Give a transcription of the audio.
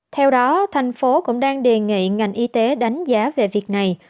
theo đó thành phố cũng đang đề nghị ngành y tế đánh giá về việc này